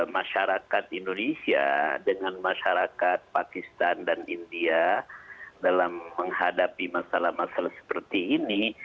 masyarakat indonesia dengan masyarakat pakistan dan india dalam menghadapi masalah masalah seperti ini